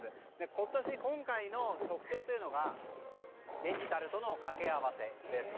今年、今回の特徴というのがデジタルとの掛け合わせです。